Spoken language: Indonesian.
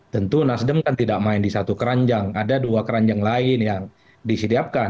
tentu nasdem kan tidak main di satu keranjang ada dua keranjang lain yang disiapkan